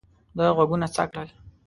ده غوږونه څک کړل.